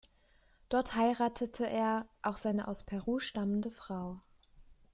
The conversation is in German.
Dort heiratete er auch seine aus Peru stammende Frau.